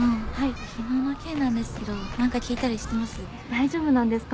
大丈夫なんですか？